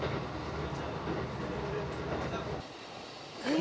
「え？」